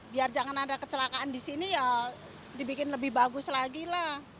biar jangan ada kecelakaan di sini ya dibikin lebih bagus lagi lah